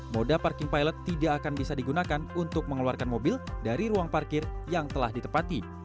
moda parking pilot tidak akan bisa digunakan untuk mengeluarkan mobil dari ruang parkir yang telah ditepati